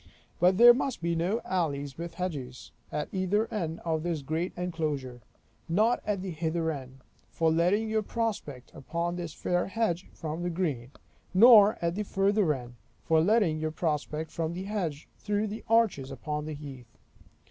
But there must be no alleys with hedges, at either end of this great enclosure; not at the hither end, for letting your prospect upon this fair hedge from the green; nor at the further end, for letting your prospect from the hedge, through the arches upon the heath.